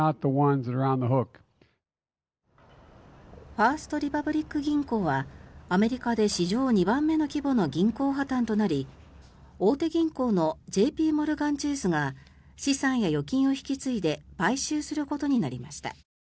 ファースト・リパブリック銀行はアメリカで史上２番目の規模の銀行破たんとなり大手銀行のＪＰモルガン・チェースが資産や預金を引き継いで買収することになりました。